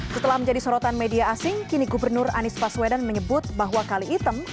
setelah menjadi sorotan media asing kini gubernur anies baswedan menyebut bahwa kali item